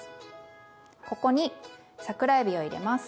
ここに桜えびを入れます。